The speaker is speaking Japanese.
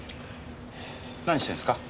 何してんですか？